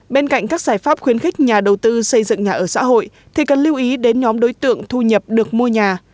bên cạnh các giải pháp khuyến khích nhà đầu tư xây dựng nhà ở xã hội thì cần lưu ý đến nhóm đối tượng thu nhập được mua nhà